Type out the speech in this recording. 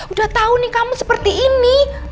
udah tahu nih kamu seperti ini